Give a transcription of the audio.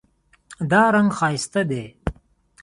دا رنګ ښایسته دی